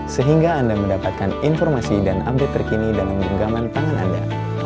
sehingga anda mendapatkan informasi dan update terkini dalam genggaman tangan anda